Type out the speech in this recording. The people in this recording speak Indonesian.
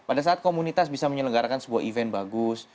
pada saat komunitas bisa menyelenggarakan sebuah event bagus